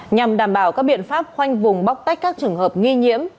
nhằm đảm bảo các biện pháp khoanh vùng bóc tách các trường hợp nghi nhiễm